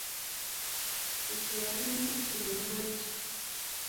Ppiki yali mmyufu mu langi.